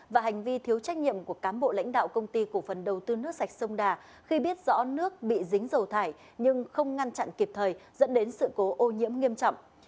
và hành vi thiếu trách nhiệm của cám bộ lãnh đạo công ty cổ phần đầu tư nước sạch sông đà khi biết rõ nước bị dính dầu thải nhưng không ngăn chặn kịp thời dẫn đến sự cố ô nhiễm nghiêm trọng